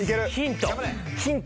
ヒント。